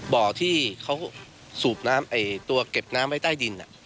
บ่อที่เขาสูบน้ำตัวเก็บน้ำไว้ใต้ดิน